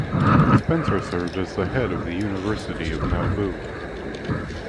Spencer served as the head of the University of Nauvoo.